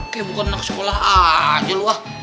kayak bukan anak sekolah aja lo ah